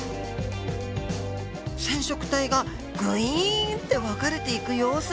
染色体がぐいんって分かれていく様子